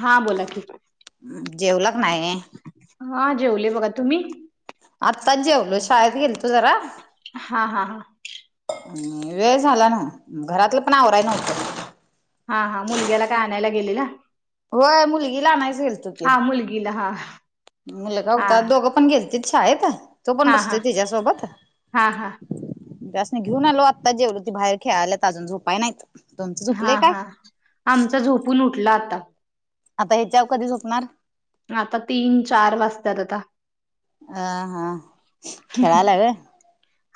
हा बोला की. जेवला का नाही हा जेवले बघा, तुम्ही? आत्ता जेवलो शाळेत गेलतो जरा. हा हा हा. वेळ झाला ना, घरातलं पण आवराय नव्हतं. हा हा, मुलग्याला काय आणायला गेलेला. होय मुलगी आनायलाच गेलतोकी, हा मुलगीला हा मुलगा हा होता, दोघं पण गेल शाळेत तो पण हा हा बसतोय तिच्यासोबत. हा हा त्यासने घेऊन आलो, आत्ता जेवल ती बाहेर खेळाल्यात अजून झोपाय नाहीत. तुमचं हा झोपलंय काय हा, आमचा झोपून उठला आता. आता ह्याच्यावर कधी झोपणार. आता तीन चार वाजतात आता. अह हा, खेळालाय होय.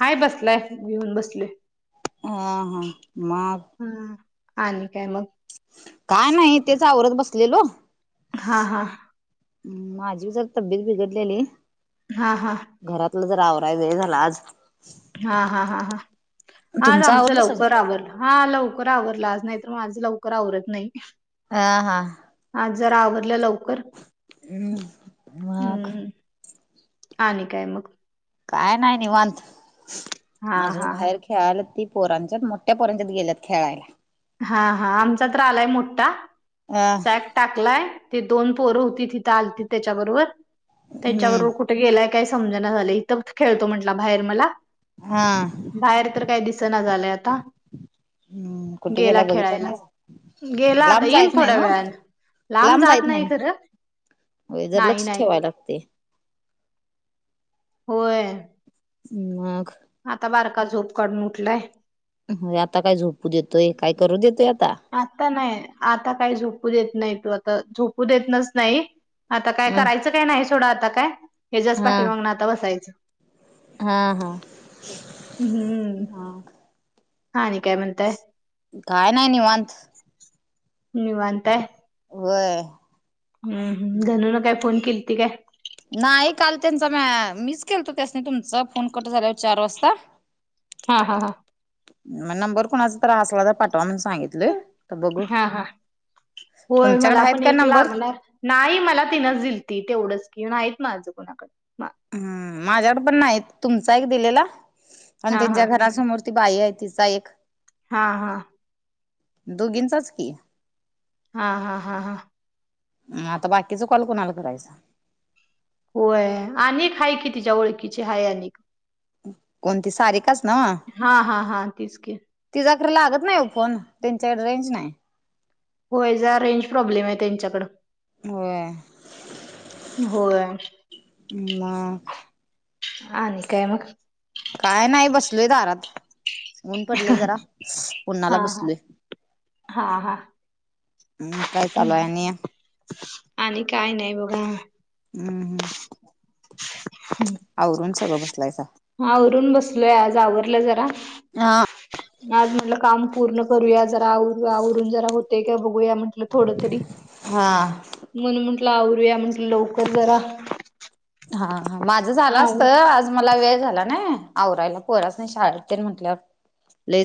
हाय बसलाय, घेऊन बसले. ह हा म ह, आणि काय मग. काय नाही, तेच आवरत बसलेलो. हां हां. माझी जर तब्येत बिघडलेली. हा हा. घरातलं जर आवराय वेळ झाला आज. हा हा हा हा हा, आज तुमचं आमचं आवरलं लवकर सगळं आवरलं. हा लवकर आवरला आज, नाही तर मा माझं लवकर आवरत नाही. हा हा. आज जरा आवरलं लवकर. [inaudible] मग हम्म हम्म, आणि काय मग. काय नाही निवत हा अजून हा हा बाहेर खेळाला ती पोरांच्यात मोठ्या पोरांच्यात गेलेत खेळायला हा हा आमचा तर्र आलाय मोठा अ सॅक टाकलाय ते दोन पोरं होती तिथे आलती त्याच्याबरोबर त्यांच्याबरोबर हम्म कुठ गेलाय काय समज ना झालं इथं खेळतो म्हंटला बाहेर मला हा बाहेर तर काही दिसना झालंय आता हम्म कुठे गेला बघितलं ना गेला आता येईल थोड्या वेळान लांब जात नाही खरं हो जर नाही लक्ष नाही ठेवायला लागते होय ह् आता बारका झोप काढून उठलाय आता काय झोपू देतोय काय करू देतोय आता आता नाही आता काही झोपू देत नाही तू आता झोपू देत नाहीच नाही आता काय अ करायचं काय नाही सोडं आता काय हच्यास हा पाठी म्हगून आता बसायचं हा हा हम् हम्म हा न काय म्हणताय काय नाही निवांत निव अंत वय हम् धनु न काय फोन केली ती काय नाही काल त्यांचा म मिस केलतो त्यासनी तुमचा फोन कट झाल्यावर चार वाजता हा हा हा मग नंबर कोणाचा त्रासला तर पाठवा म्हण सांगितलं हा हा बोल तुमच्याकडे मला आहेत पण का एक नंबर लागणार नाही मला तिनंच दिल त तेवढंच किन नाहीत माझं कुणाकडे हम माझ्याकड पण नाही तुमचा एक दिलेला आणि हा हा. त्यांच्या घरासमोर ती बाई आहे तिचा एक हा हा दोघींचाच की हा हा हा हा आता बाकीच कॉल कोणाला करायचा होय अनेक हा कि तिच्या ओळखीचे आहेा अनेक कोणती सारी काच ना वा हा हा हा तीच की तिचाक लागत नाही फोन त्यांच्याकडे रेंज नाही होय जा रेंज प्रॉब्लेम आहे त्यांच्याकड होय होय मग आणि काय मग काय नाही बसलोय दारात मऊन पडले जरा हा कोणाला हा बसलोय हा हा हम् काय चालूय आणि आणि काय नाही बघा हम्म हम् आवरून सगळं बसलायचा हा रून बसलोय आज आवरलं जरा ह आज म्हटलं काम पूर्ण करूया जरा आवरून जरा होते किंवा बघूया म्हण थोड तरी हा म्हण म्हंटलं आया म्हटलं लवक जरा हा हा माझं झालं असत आ आवर आज मला वेळ झाला नाही आवरायला पोराच नाही शाळेत ते म्हटल्यावर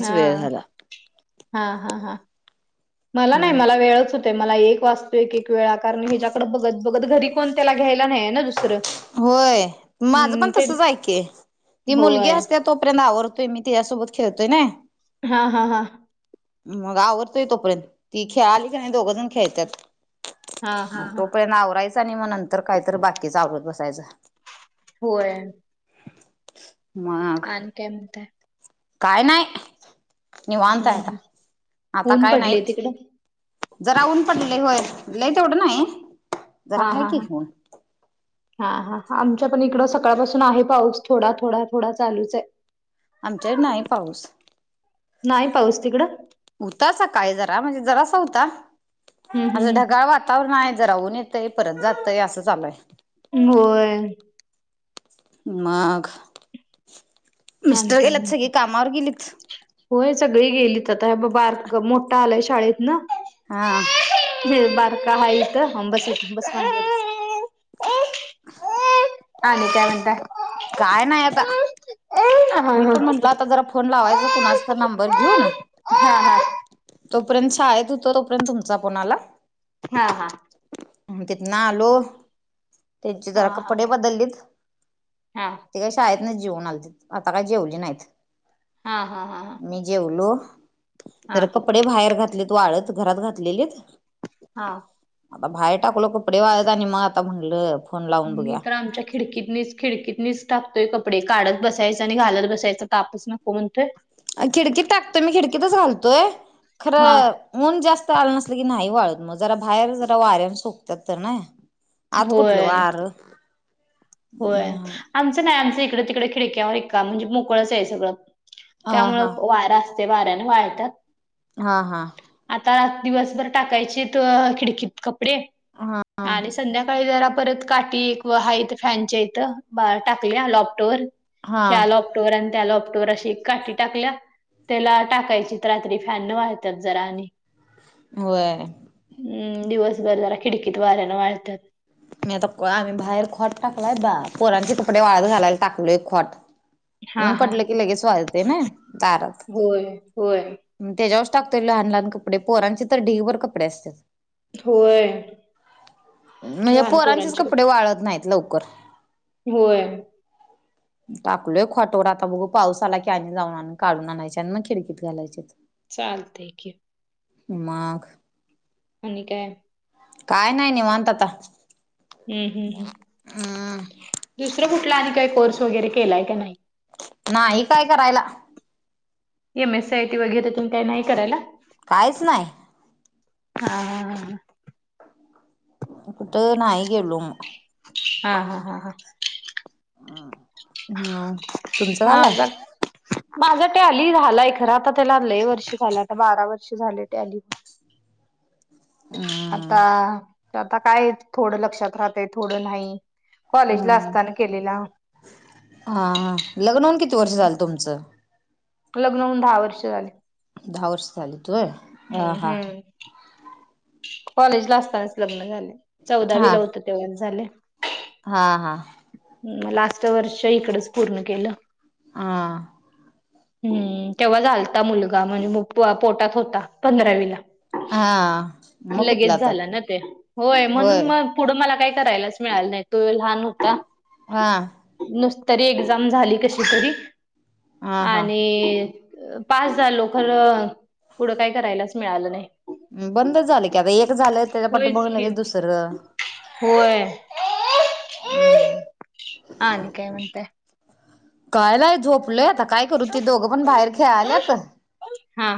हा वेळ झाला. हा हा हा मला नाही मला वेळच मला एक वास्तू एक एक वेळा कारण मी हिच्याकडं बघत बघत घरी कोणतेला घ्यायला नाही ना दुसरं होय माझं हम्म पण ते तसच ऐकय ती मुलगी होय असते तोपर्यंत आवरतोय मी त्याच्यासोबत खेळतोय ना हा हा हा मग आवडतोय तोपर्यंत ती खेळाली की नाही दोघं जण खेळतात हा हा हा तो पर्ंत आवरायचा आणि मग नंतर काहीत बाकीचा आवरत बसायच होय मघ केमत काय नाहीय न हम्म वातायता हम्म. आता ऊन काय नाही पडले तिकडे जरा ऊन पडलं होय लई तेवढं नाही हा जरा आहे हा की हा ऊन हा हा आमच्या पण इकडं सकाळपासून आहे पाऊस थोडा थोडा थोडा चालूच आहे आमचे नाही पाऊस नाही पाऊस तिकडं उतासा काय जरा म्हणजे जरासा होता हम्म असं हम्म ढगाळव आातावर नाही जराऊून येतय परत जातय असं चालूय होय मघ ह न कायत होय सगळी गेलीत आता ब बार मोठा आलाय शाळेऐत ना हा म बार का हाय तर बस मांडीवर. [inaudible] ह नाही काय म्हणता काय नाही आता हा हा मी हा पण म्हटल आता जरा फोन लावायच कुणाचा नंबर घेऊन हा हा तोपर्यंत शाळेत होतो तोपर्यंत तुमचा कोणाला हा हा तिथ ना आलो त्यांचे जरा कपडे बदललीत हा ती काही शाळेत नाही जेवन आली आता काय जेवली नाहीत हा हा हा हा मी जेवलो जर कपडे बाहेर घातलेत वाढत घरात घातलेले हा बा भाहेर टाकलो कपडे वाळत आणि म आता म्हणलं फोन लावून मी बघूया तर आमच्या खिडकीतनीच खिडकीतनीच टाकतोय कपडे काढत बसायचं आणि घालत बसायच तापच नको म्हणतोय. खिडकीत टाकतोय मी खिडकीतच घालतोय हा खरं ऊन जास्त आल नसलं की नाही वाळत मग जरा बाहेर जरा वाऱ्यान सुकत्यात तर नाही. आत कुठल होय वार? होय नाही आमचं नाही आमचं इकडे तिकडे खिडक्यावर एका म्हणजे मोकळच आहे सगळं अ त्यामुळ हा वारा असतय वाऱ्याने वाळतात. हा, हा. आता दिवसभर टाकायचेत खिडकीत कपडे हा हा आणि संध्याकाळी जरा परत काठी एक व हाय इथ फॅनच्या इथं बा टाकल्या लॉपटवर हा या लॉप टवर आणि त्या लॉपटवर आशी काठी टाकल्या त्याला टाकायचीत रात्री फॅनन वाळत्यात जरा आणि व्हय. हम्म दिवस बरं जरा खिडकित वाऱ्यानं वाळतात. मी आता आम्ही बाहेर खोट टाकलाय बा पोरांची कपडे वाळत घालायला टाकलोय खोट. हा ऊन हा पडलं की लगेच वळतय न दारात. होय होय. तेच्यावरच टाकतोय लहान लहान कपडे पोरांचे तर ढिगभर कपडे असत्यात. होय म्हणजे लहान पोराचीच पोरांची कपडे वाळत नाहीत लवकर. होय. टाकलोय खॉटवर आता बघू पाऊस आला की आणि जाऊन आण काढून आणायचे आणि मग खिडकीत घालायचे. चालतंय की. मग आणि काय? काय नाही निवांत आता. हुं हुं हुं हम्म दुसरं कुठला आणि काय कोर्स वगैरे केलाय काय नाही? नाही काय करायला. M. S. C. I. T वगैरे तुम काही नाही करायला? काहीच नाही. हा हा हा. कुठ नाही गेलो मग हा हा हा हा. तुमचं हा झालाय? आ माझा टॅली झालाय खरं आता त्याला लई वर्ष झालं आता बारा वर्ष झाले टॅली हम्म आता आता काय थोडं लक्षात राहतय थोडं नाही. कॉलेजला हम्म असताना केलेला हा हा लग्नहून किती वर्ष हम्म झालं तुमचं? लग्न होऊन दहा वर्ष झाले. दहा वर्ष झालीत व्हय. हम्म हम्म. कॉलेज ला असतानाच लग्न झाले हा चौवदाविला होतो तेव्हाच झालय. हा हा. लास्ट वर्ष इकडच पूर्ण केलं. हा. हम्म तेव्हा झालता मुलगा म्हणजे पोटात होता पंधरावीला. हा मग कुठलं लगेच आता झालं ना ते होय म्हणून मग पुढं मला काय करायलाच मिळाल नाही तो लहान होता हा नुसतरी एक्झाम झाली कशी तरी हा हा आणि पास झालो खर पुढं काय करायलाच मिळालं नाही. बंदच झालं की आता एक झालं त्याच्या होयच पाठीमागे की लगेच दुसरं होय. हम्म हा न काय म्हणते? कायलाय झोपलय आता काय करू ते दोघं पण बाहेर खेळाल्यात हा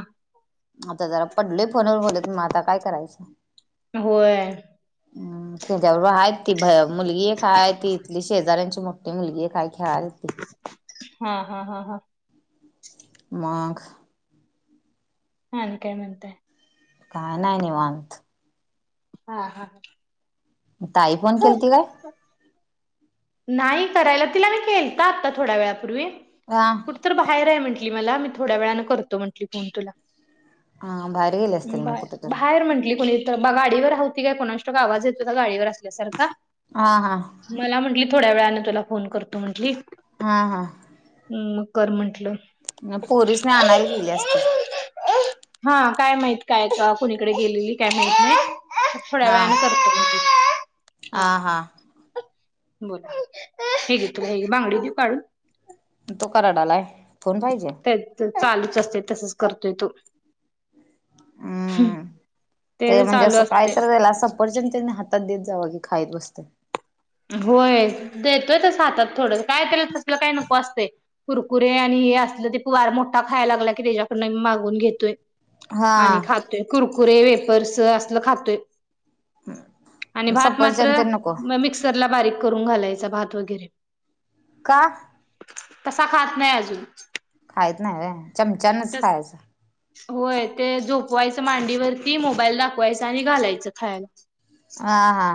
आता जरा पडल फोनवर बोलत मग आता काय करायचं होय तेच्याबरोबर आहेत ती मुलगी काय ती इथली शेजऱ्यांची मोठी मुलगी काय खेळालत हा हा हा हा मग आणि काय म्हणतय? काय नाही निवत हा हा ह ताई फोण केलती काय नाही करायला तिला नाही खेळत आता थोड्या वेळापूर्वी हा कुठ तर बाहेर आहे म्हटली मला मी थोड्या वेळाने करो म्हटली फोन तुला हा बाहेर गेले असतील मग बाय कुठे तर बाहेर म्हंटली कोुणी तर मग गाडीवर ह होती काय कोणाष्ट का आवाज येतो गाडीवर असल्यासारखा ह हा मला म्हटली थोड्या वेळाने तुला फोन करतो म्हंटली हा हा मग कर म्हंटलं पोरीसने आणायला गेली असते हा काय माहित काय कुणीकडे गेलेली काय माहित नाही थोड्या हा वेळाने करतो म्हणली हा बोला हे तुला हे बांगडी देऊ काढून तो कराड आलाय फोण पाहिजे चालूच असते तसच करतोय तो हम्म ते म्हणजे चालू असं असते काहीत जाईल असं पर्यंत त्यांनी हातात देत जावं की खाईत बसते होय देतोय त हातात थोडं काय त्याला तसलं काय नको असत कुरकुरे आणि हे असलं ते वार मोठा खायला लागला की त्याच्याकडनं मी मागून घेतोय आणि हा खातोय कुरकुरे वेपर्स असल खातोय आणि भात सफरचंद मात्र तेन नको मिक्सरला बारीक करून घालायचा भात वगैरे का कसा खात नाही अजून खायत नाही रे चमचानच खायचं होय ते झोपवायचं मांडीवरती मोबाईल दाखवायच आणि घालायचं खायला हा हा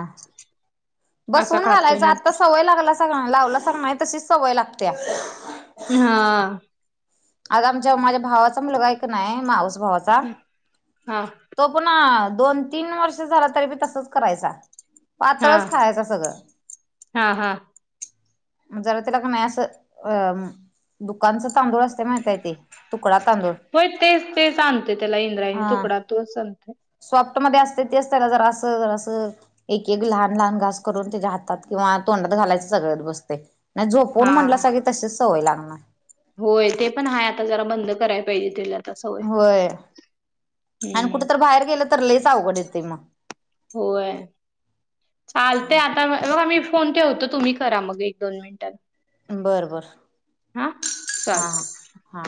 असा बसवून खातोय घालायच नाही आत्ता सवय लागला सगळ लावला सग तशीच सवय लागते्या हा आता आमच्या माझ्या भावाचा मुलगा नाही माऊस भावाचा हा तो पण दोन तीन वर्ष झाला तरी पी तसच करायचा हा पातळच खायच सगळं हा हा जरा तिला का नाही असं अ दुकानचं तांदूळ असत माणतायेत ते तुकडा तांदूळ होय तेच ते सांगते त्याला इंद्रायणी हा तुकडा तूच सांगते सॉफ्ट मध्ये असते ते असते ना जर असं ज असं एक एक लहान लहान घास करून त्याच्या हातात किंवा तोंडात घालायचं सगळत बसते नाही हा झोपून म्हटलं सग तशीच सवय लागणार होय ते पण आहेा आता जरा बंद कराय पाहिजे तेलर होय आणि हम्म. कुठ तर बाहेर गेलं तर ललेच अवघड येते मग होय चालते आता बघ आ म्ी फोन ठवतो तुम्ही करा मग एक दोन मिनिटां बरं बर हा चालतंय. हा